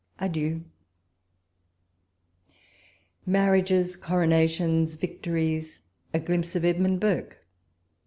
Adieu ! MARBIAGES. COUONATlOyS. VlCTOIilE.^ A GLIMPSE OF EDMUXD BURKE.